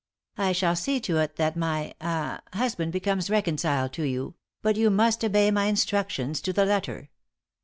I shall see to it that my ah husband becomes reconciled to you, but you must obey my instructions to the letter.